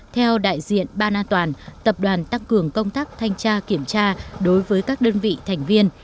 theo đại diện ban an toàn tập đoàn tăng cường công tác thanh tra kiểm tra đối với các đơn vị thành viên